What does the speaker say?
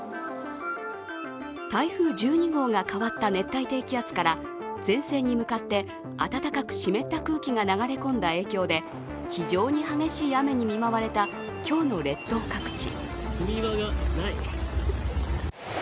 台風１２号が変わった熱帯低気圧から前線に向かって暖かく湿った空気が流れ込んだ影響で非常に激しい雨に見舞われた今日の列島各地。